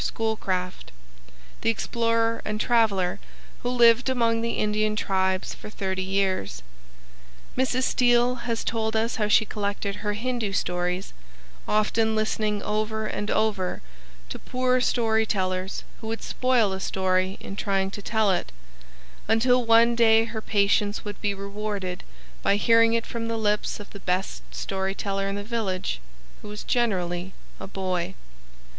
Schoolcraft (1793–1864), the explorer and traveler, who lived among the Indian tribes for thirty years. Mrs. Steel has told us how she collected her Hindu stories, often listening over and over to poor story tellers who would spoil a story in trying to tell it, until one day her patience would be rewarded by hearing it from the lips of the best storyteller in the village, who was generally a boy.